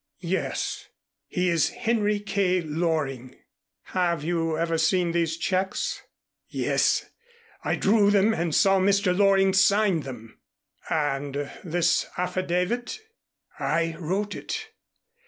"Yes. He is Henry K. Loring." "Have you ever seen these checks?" "Yes. I drew them and saw Mr. Loring sign them." "And this affidavit?" "I wrote it."